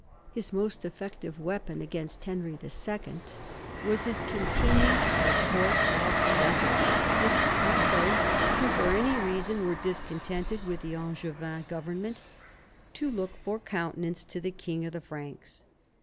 His most effective weapon against Henry II. was his continued support of Becket, which taught those who, for any reason, were discontented with the Angevin government to look for countenance to the king of the Franks.